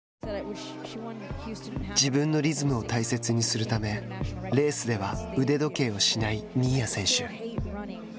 自分のリズムを大切にするためレースでは腕時計をしない新谷選手。